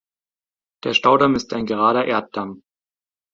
Der Staudamm ist ein gerader Erddamm.